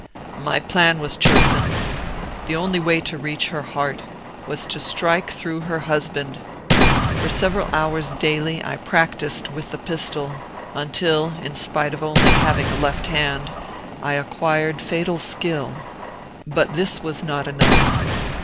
"My plan was chosen. The only way to reach her heart was to strike through her husband. For several hours daily I practised with the pistol, until in spite of only having a left hand I acquired fatal skill. But this was not enough.